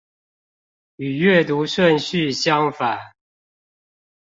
與閱讀順序相反